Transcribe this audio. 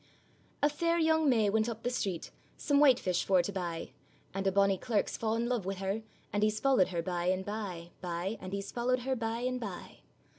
] A FAIR young May went up the street, Some white fish for to buy; And a bonny clerk's fa'n i' luve wi' her, And he's followed her by and by, by, And he's followed her by and by.